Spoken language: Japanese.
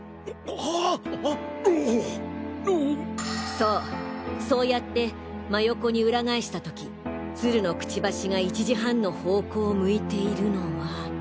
そうそうやって真横にウラ返した時鶴のクチバシが１時半の方向を向いているのは。